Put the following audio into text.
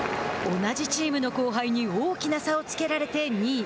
同じチームの後輩に大きな差をつけられて２位。